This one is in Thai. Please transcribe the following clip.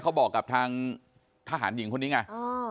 เขาบอกกับทางทหารหญิงคนนี้ไง